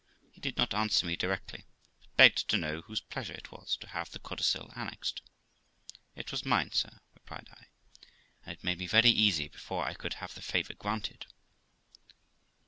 He did not answer me directly, but begged to know whose pleasure it was to have the codicil annexed. 'It was mine, sir' replied I; 'and it made me very uneasy before I could have the favour granted.'